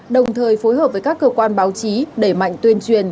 đồng thời phối hợp với các cơ quan báo chí đẩy mạnh tuyên truyền